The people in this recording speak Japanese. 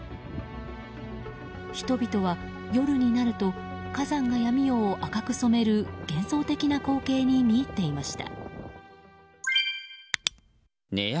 人々は夜になると火山が闇夜を赤く染める幻想的な光景に見入っていました。